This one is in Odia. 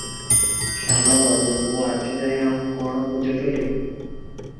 ଶ୍ୟାମବନ୍ଧୁ – ମୁଁ ଆଜି ଯାଏ ଆଉ କ’ଣ ବୁଝୁଥିଲି?